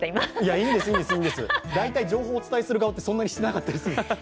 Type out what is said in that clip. いいんです、大体情報をお伝えする側って、そんなにしてなかったりする。